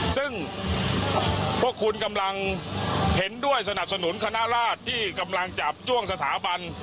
ซึ่งพวกคุณกำลังเห็นด้วยสนับสนุนคณะราชที่กำลังจับจ้วงสถาบัน